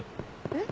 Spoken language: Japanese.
えっ？